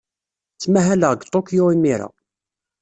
Ttmahaleɣ deg Tokyo imir-a.